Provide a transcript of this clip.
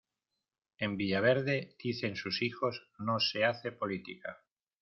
En villaverde dicen sus hijos no se hace política.